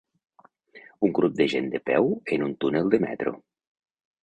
Un grup de gent de peu en un túnel de metro.